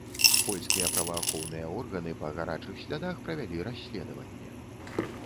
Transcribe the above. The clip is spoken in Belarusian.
Польскія праваахоўныя органы па гарачых слядах правялі расследаванне.